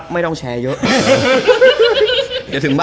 ไม่ต้องแชร์เยอะ